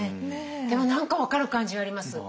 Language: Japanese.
でも何か分かる感じはあります。